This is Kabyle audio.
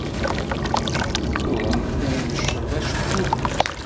Tum la imecceḍ acebbub-is.